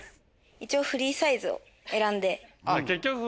一応フリーサイズを選んで。